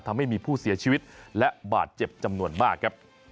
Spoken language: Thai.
ทำให้มีผู้เสียชีวิตและบาดเจ็บจำนวนมากครับ